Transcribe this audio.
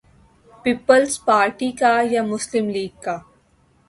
Peoples Party کا یا مسلم لیگ کا؟